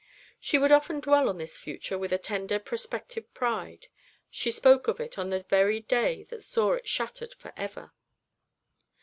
She would often dwell on this future with a tender prospective pride; she spoke of it on the very day that saw it shattered for ever.